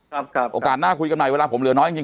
ครับครับโอกาสน่าคุยกับหน่ายเวลาผมเหลือน้อยกิน